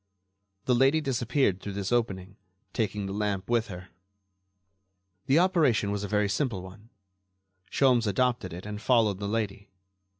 The lady disappeared through this opening, taking the lamp with her. The operation was a very simple one. Sholmes adopted it and followed the lady.